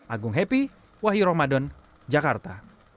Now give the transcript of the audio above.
agung happy wahyu ramadan jakarta